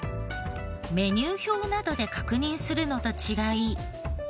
メニュー表などで確認するのと違い。